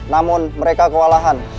namun mereka kewalahan